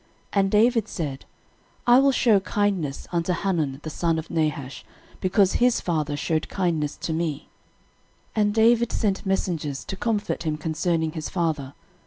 13:019:002 And David said, I will shew kindness unto Hanun the son of Nahash, because his father shewed kindness to me. And David sent messengers to comfort him concerning his father.